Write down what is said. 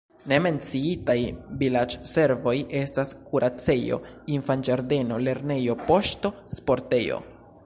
Ne menciitaj vilaĝservoj estas kuracejo, infanĝardeno, lernejo, poŝto, sportejo.